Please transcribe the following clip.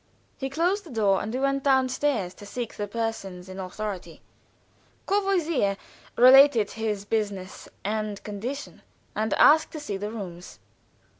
He closed the door, and we went down stairs to seek the persons in authority. Courvoisier related his business and condition, and asked to see rooms.